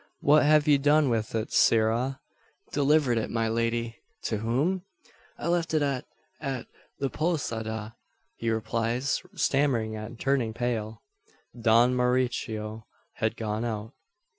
"What have you done with it, sirrah?" "Delivered it, my lady." "To whom?" "I left it at at the posada," he replies, stammering and turning pale. "Don Mauricio had gone out."